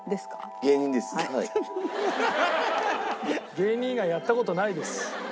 芸人以外やった事ないです。